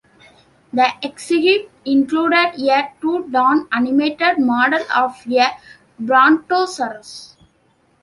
The exhibit included a two-ton animated model of a brontosaurus.